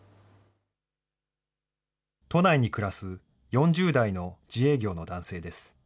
都内に暮らす４０代の自営業の男性です。